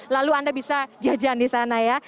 lalu anda bisa jajan di sana ya